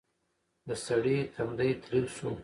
د سړي تندی تريو شو: